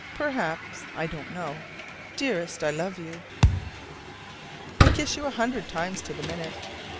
Perhaps, I don't know: dearest, I love you! I kiss you a hundred times to the minute.